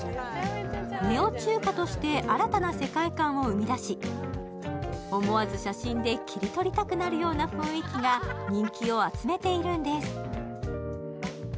ネオ中華として新たな世界観を生み出し、思わず写真で切り取りたくなるような雰囲気が人気を集めているんです。